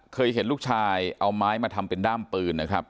เห็นลูกชายเอาไม้มาทำเป็นด้ามปืนนะครับ